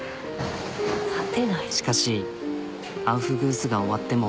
しかしアウフグースが終わっても。